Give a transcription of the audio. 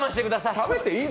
食べていいの？